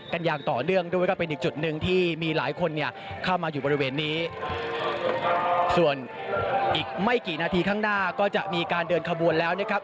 อย่างต่อเนื่องด้วยก็เป็นอีกจุดหนึ่งที่มีหลายคนเนี่ยเข้ามาอยู่บริเวณนี้ส่วนอีกไม่กี่นาทีข้างหน้าก็จะมีการเดินขบวนแล้วนะครับ